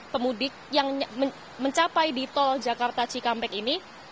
pemudik yang mencapai di tol jakarta cikampek ini